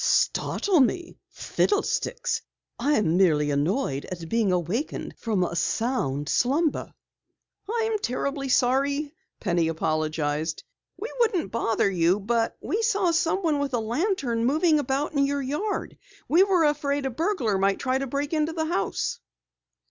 "Startle me, fiddlesticks! I am merely annoyed at being awakened from a sound slumber." "I'm terribly sorry," Penny apologized. "We wouldn't bother you, but we saw someone with a lantern moving about in the yard. We were afraid a burglar might try to break into the house."